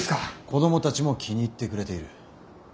子供たちも気に入ってくれている。